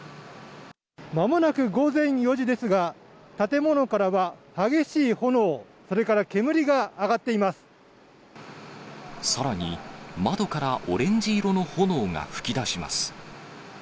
まもなく午前４時ですが、建物からは激しい炎、さらに、窓からオレンジ色の炎が噴き出します。